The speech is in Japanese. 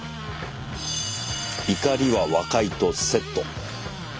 「怒りは和解とセット」。